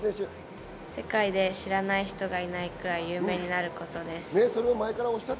世界で知らない人がいないくらい有名になることです。